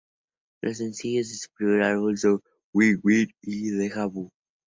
Los sencillos de su primer álbum son "Win Win" y "Deja Vu".